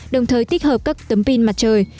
đồng thời tích hợp các tấm pin mặt trời